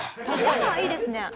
頭いいですね。